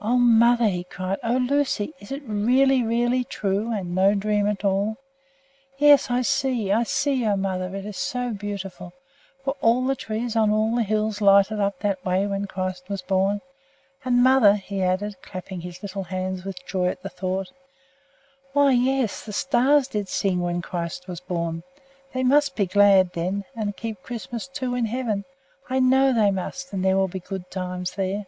"O mother!" he cried. "O Lucy! Is it really, really true, and no dream at all? Yes, I see! I see! O mother, it is so beautiful! Were all the trees on all the hills lighted up that way when Christ was born? And, mother," he added, clapping his little hands with joy at the thought, "why, yes, the stars did sing when Christ was born! They must be glad, then, and keep Christmas, too, in heaven. I know they must, and there will be good times there."